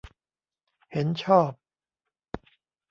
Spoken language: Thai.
เห็นชอบ